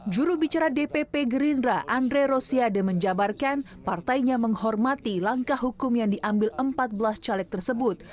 jurubicara dpp gerindra andre rosiade menjabarkan partainya menghormati langkah hukum yang diambil empat belas caleg tersebut